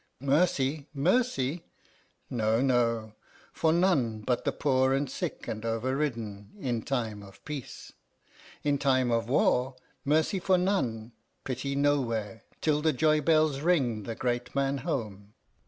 Mercy? Mercy? No, no: for none but the poor and sick and overridden, in time of peace; in time of war, mercy for none, pity nowhere, till the joybells ring the great man home."